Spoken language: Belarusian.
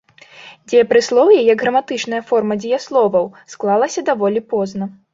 Дзеепрыслоўе як граматычная форма дзеясловаў склалася даволі позна.